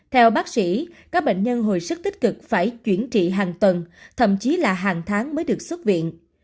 theo bác sĩ các bệnh nhân hồi sức tích cực phải chuyển trị hàng tuần thậm chí là hàng tháng mới được xuất viện